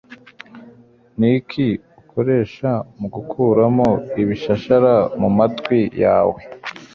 Niki ukoresha mugukuramo ibishashara mumatwi yawe?